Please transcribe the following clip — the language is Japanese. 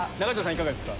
いかがですか？